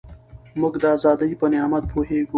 موږ د ازادۍ په نعمت پوهېږو.